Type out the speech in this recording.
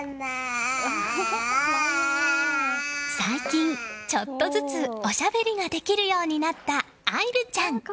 最近ちょっとずつおしゃべりができるようになった愛桜ちゃん。